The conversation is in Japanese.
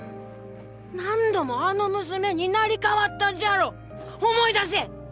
何度もあの娘になり変わったんじゃろ⁉思い出せッ！